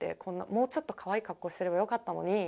もうちょっとカワイイ格好すればよかったのに。